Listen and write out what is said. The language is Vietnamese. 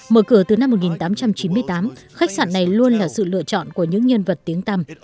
mở cửa từ năm một nghìn tám trăm chín mươi tám khách sạn này luôn là sự lựa chọn của những nhân vật tiếng tâm